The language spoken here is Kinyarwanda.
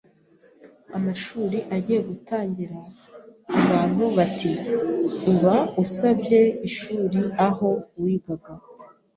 amashuri agiye gutangira abantu bati uba usabye ishuri aho wigaga